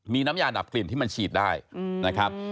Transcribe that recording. มีน้ำยาดับกลิ่นที่มันฉีดได้นะครับ